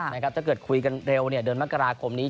ถ้าเกิดคุยกันเร็วเดือนมกราคมนี้